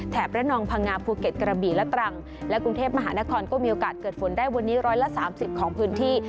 พระนองพังงาภูเก็ตกระบี่และตรังและกรุงเทพมหานครก็มีโอกาสเกิดฝนได้วันนี้ร้อยละ๓๐ของพื้นที่